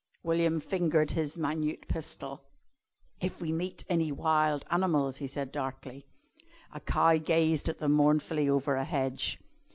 William fingered his minute pistol. "If we meet any wild animals ..." he said darkly. A cow gazed at them mournfully over a hedge.